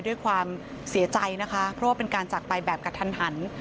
ด้วยความเสียใจนะคะเพราะว่าเป็นการจากไปแบบกระทันหัน